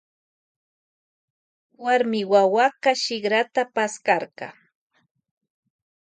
Warmi wawa paskarka shikrata.